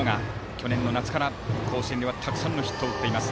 去年の夏から甲子園ではたくさんのヒットを打っています。